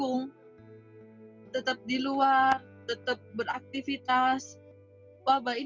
anggara selagi saya belajar semua hewan ini padahal my wife is not a good sister